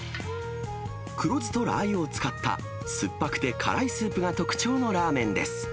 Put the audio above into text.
黒酢とラー油を使った、酸っぱくて辛いスープが特徴のラーメンです。